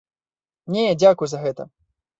Не, дзякуй за гэта!